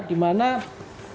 ada di beberapa negara eropa barat